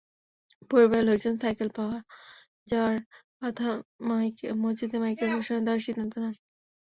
পরিবারের লোকজন সাইকেল পাওয়া যাওয়ার কথা মসজিদের মাইকে ঘোষণা দেওয়ার সিদ্ধান্ত নেন।